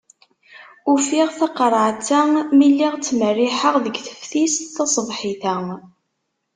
Ufiɣ taqerεet-a mi lliɣ ttmerriḥeɣ deg teftist taṣebḥit-a.